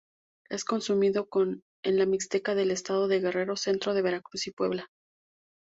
Es consumido en la Mixteca del estado de Guerrero, centro de Veracruz y Puebla.